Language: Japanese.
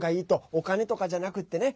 お金とかじゃなくってね